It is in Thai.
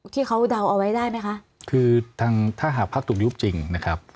เดาเอาไว้ได้ไหมคะคือทางถ้าหากพักถูกยุบจริงนะครับ